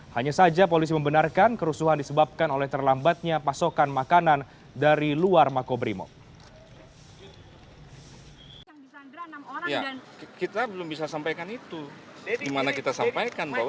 hanya saja polisi membenarkan kerusuhan disebabkan oleh terlambatnya pasokan makanan dari luar makobrimob